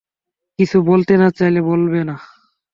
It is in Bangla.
কিছু বলতে না-চাইলে বলবে না।